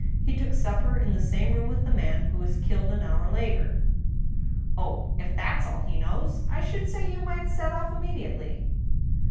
He took supper in the same room with the man who was killed an hour later." " Oh ! if that is all he knows, I should say you might set off im mediately."